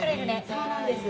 そうなんです。